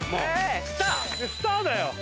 スターだよ。